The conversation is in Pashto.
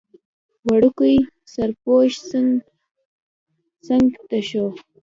وړوکی سرپوښ څنګ ته شو.